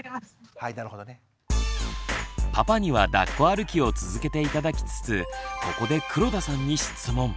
パパにはだっこ歩きを続けて頂きつつここで黒田さんに質問。